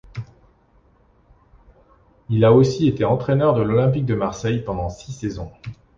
Il a aussi été entraîneur de l'Olympique de Marseille pendant six saisons.